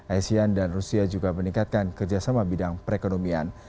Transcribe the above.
asean dan rusia juga meningkatkan kerjasama bidang perekonomian